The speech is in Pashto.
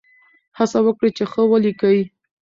هڅه وکړئ چې ښه ولیکئ.